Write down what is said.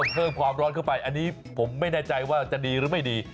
เพิ่มความร้อนเข้าไปอันนี้ผมไม่แน่ใจว่าจะดีหรือไม่ดี